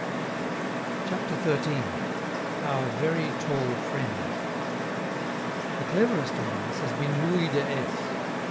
CHAPTER XIII. OUR "VERY TALL FRIEND" The cleverest among us has been Louis de S